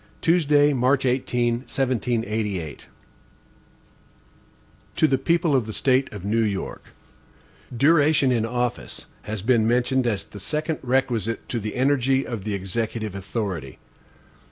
Tuesday, March 18, 1788. HAMILTON To the People of the State of New York: DURATION in office has been mentioned as the second requisite to the energy of the Executive authority.